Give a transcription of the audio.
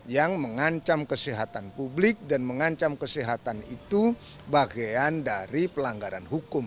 yang mengancam kesehatan publik dan mengancam kesehatan itu bagian dari pelanggaran hukum